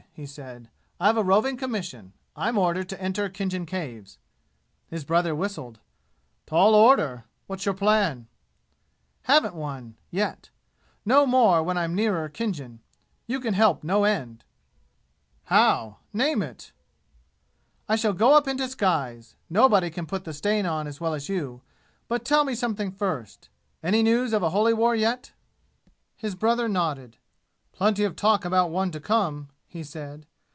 he said. "I've a roving commission. I'm ordered to enter Khinjan Caves." His brother whistled. "Tall order! What's your plan?" "Haven't one yet. Know more when I'm nearer Khinjan. You can help no end." "How? Name it!" "I shall go up in disguise. Nobody can put the stain on as well as you. But tell me something first. Any news of a holy war yet?" His brother nodded. "Plenty of talk about one to come," he said.